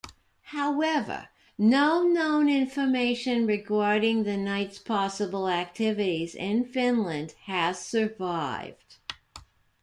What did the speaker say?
However, no known information regarding the knights' possible activities in Finland has survived.